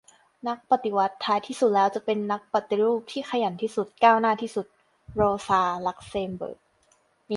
"นักปฏิวัติท้ายที่สุดแล้วจะเป็นนักปฏิรูปที่ขยันที่สุด ก้าวหน้าที่สุด " - โรซา ลักเซมเบิร์ก